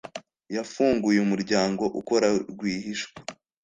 yafunguye umuryango ukora rwihishwa